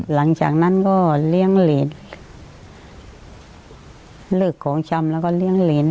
หลังจากนั้นก็เลี้ยงเหรนเลิกของชำแล้วก็เลี้ยงเหรน